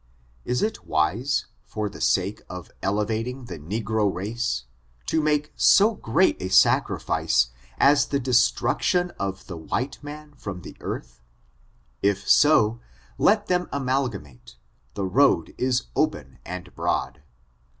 Is it wise, for the sake of elevating the negro race, to make so great a sacrifice as the destruction of the white man from the earth ? If so, let them amalgam ate, the road is open and broad.